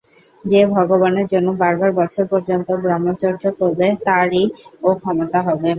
যে ভগবানের জন্য বার বছর পর্যন্ত ব্রহ্মচর্য করবে, তারই ও-ক্ষমতা হবে।